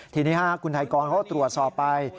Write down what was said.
ทีนี้ครับคุณไทยกรณ์เขาตรวจสอบไป